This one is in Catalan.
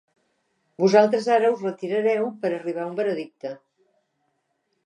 Vosaltres ara us retirareu per arribar a un veredicte.